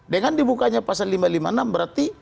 dengan dibukanya pasal lima ratus lima puluh enam berarti